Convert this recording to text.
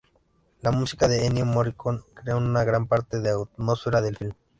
La música de Ennio Morricone crea en gran parte la atmósfera del film.